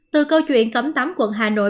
từ câu chuyện cấm tắm quận hà nội